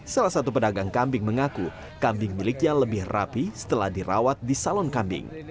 salah satu pedagang kambing mengaku kambing miliknya lebih rapi setelah dirawat di salon kambing